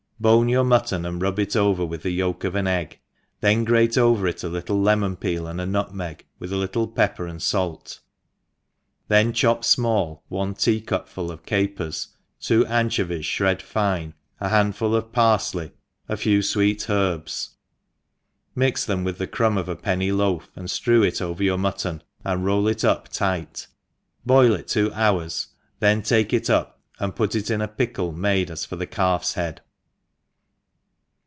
BONE your mutton, and rub it over with the yolk of an t.^g^ then grate over it a little lemon peel, and a nutmeg, with a little pepper and fait, then chop fmall one tea cjupful of capers, two anchovies, (bred fine a handful of parfley^ a few fweet herbs, mix them with the crumtl of a penny loaf, and flrew it over your mutton, and roll it up tight, boil it two hours, then take it up, and put it in a pickle made as for the calf 's head.